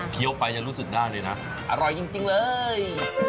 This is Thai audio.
เพี้ยวไปจะรู้สึกได้เลยนะอร่อยจริงเลย